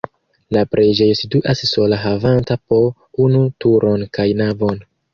La preĝejo situas sola havanta po unu turon kaj navon.